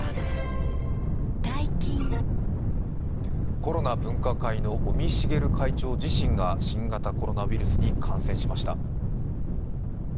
コロナ分科会の尾身茂会長自身が新型コロナウイルスに感染しました。